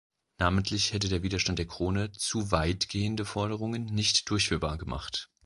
Namentlich hätte der Widerstand der Krone zu weitgehende Forderungen nicht durchführbar gemacht.